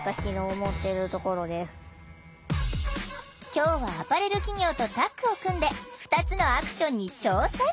今日はアパレル企業とタッグを組んで２つのアクションに挑戦。